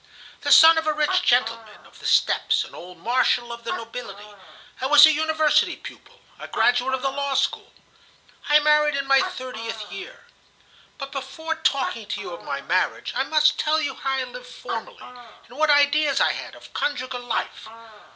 The son of a rich gentleman of the steppes, an old marshal of the nobility, I was a University pupil, a graduate of the law school. I married in my thirtieth year. But before talking to you of my marriage, I must tell you how I lived formerly, and what ideas I had of conjugal life.